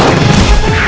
kau akan dihukum